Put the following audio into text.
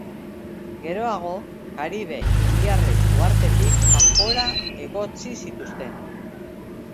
Geroago, karibe indiarrek uhartetik kanpora egotzi zituzten.